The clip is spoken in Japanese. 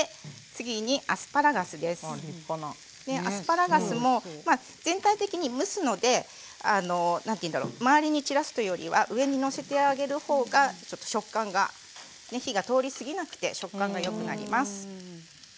アスパラガスも全体的に蒸すのでなんていうんだろう周りに散らすというよりは上にのせてあげる方がちょっと食感が火が通りすぎなくて食感がよくなります。